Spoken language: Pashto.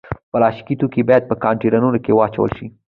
پلاستيکي توکي باید په کانټینرونو کې واچول شي.